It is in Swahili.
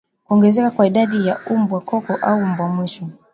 Kuongezeka kwa idadi ya mbwa koko au mbwa mwitu